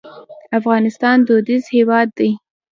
افغانستان دودیز هېواد دی.